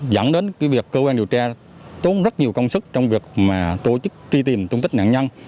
dẫn đến việc cơ quan điều tra tốn rất nhiều công sức trong việc tổ chức truy tìm tung tích nạn nhân